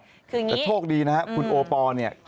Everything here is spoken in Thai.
คืออย่างนี้แต่โชคดีนะฮะคุณโอปอล์เนี่ย